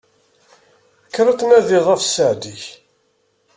Kker ad tnadiḍ ɣef sseɛd-ik!